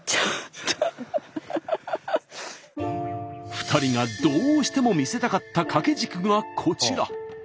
２人がどうしても見せたかった掛け軸がこちら。